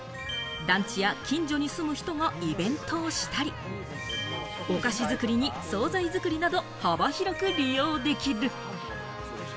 団地や近所に住む人がイベントをしたり、お菓子作りに総菜作りなど、幅広く利用できる。